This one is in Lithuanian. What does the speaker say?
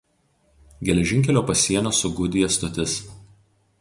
Geležinkelio pasienio su Gudija stotis.